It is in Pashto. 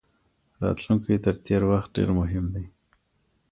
راتلونکی تر تیر وخت ډیر مهم دی.